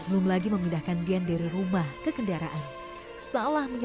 lutfi sudah selesai menjalannya tapi dia tak bisa berusaha untuk menjalannya